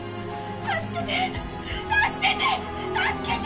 助けて助けて！